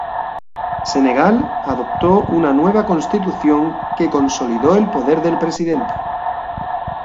Senegal adoptó una nueva constitución que consolidó el poder del Presidente.